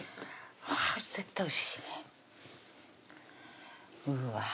絶対おいしいうわぁ